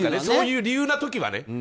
そういう理由な時はね。